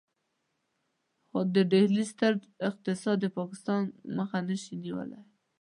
خو د ډهلي ستر اقتصاد د پاکستان مخه نشي نيولای.